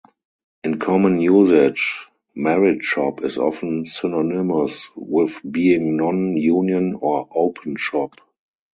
In common usage, "merit shop" is often synonymous with being non-union or open shop.